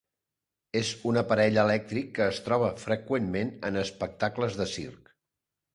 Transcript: És un aparell elèctric que es troba freqüentment en espectacles de circ.